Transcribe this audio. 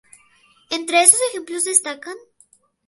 Entre estos ejemplos destacan.